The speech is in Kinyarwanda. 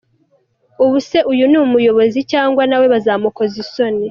Ubu Se Uyu Ni Umuyobozi Cyangwa? Nawe Bazamukoz’isoni!!.